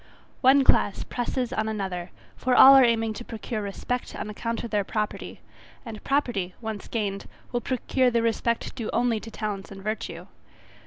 One class presses on another; for all are aiming to procure respect on account of their property: and property, once gained, will procure the respect due only to talents and virtue.